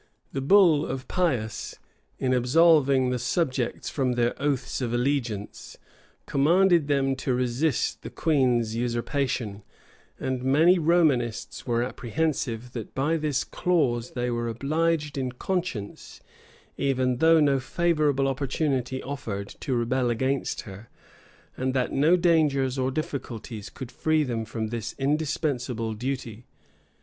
The bull of Pius, in absolving the subjects from their oaths of allegiance, commanded them to resist the queen's usurpation; and many Romanists were apprehensive, that by this clause they were obliged in conscience, even though no favorable opportunity offered, to rebel against her, and that no dangers or difficulties could free them from this indispensable duty.